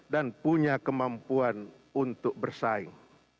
dan punya kemampuan untuk bersaing